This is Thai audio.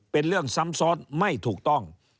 เป็นเรื่องซ้ำซ้อนไม่ถูกต้อง